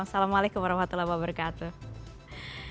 assalamualaikum warahmatullahi wabarakatuh